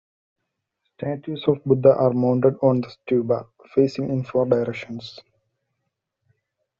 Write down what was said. Statues of Buddha are mounted on the stupa, facing in four directions.